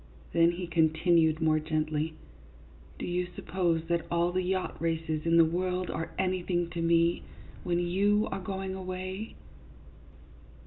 Then he continued more gently, " Do you suppose that all the yacht races in the world are anything to me, when you are going away